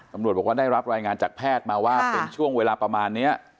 ตำรวจบอกว่าได้รับรายงานจากแพทย์มาว่าเป็นช่วงเวลาประมาณนี้